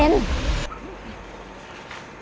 เป็นไหม